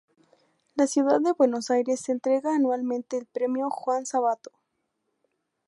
La Ciudad de Buenos Aires entrega anualmente el Premio Juan Sabato.